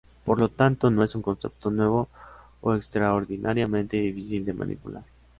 Por lo tanto, no es un concepto nuevo o extraordinariamente difícil de manipular.